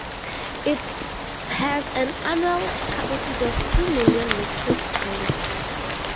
It has an annual capacity of two million metric tonn.